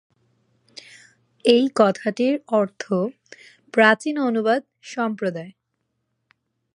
এই কথাটির অর্থ প্রাচীন অনুবাদ সম্প্রদায়।